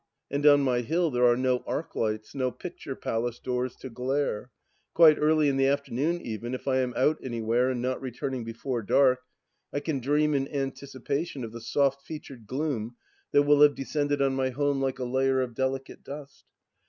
... And on my hill there are no arc lights, no picture palace doors to glare ! Quite early in the afternoon even, if I am out anywhere and not returning before dark, I can dream in anticipation of the soft featured gloom that will have descended on my home like a layer of delicate dust.